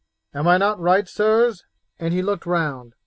Am I not right, sirs?" and he looked round.